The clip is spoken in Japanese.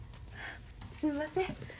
すんません。